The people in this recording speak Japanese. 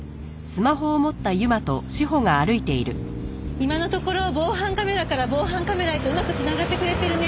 今のところ防犯カメラから防犯カメラへとうまく繋がってくれてるね。